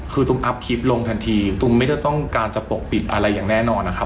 คือตุ้มอัพคลิปลงทันทีตุ้มไม่ได้ต้องการจะปกปิดอะไรอย่างแน่นอนนะครับ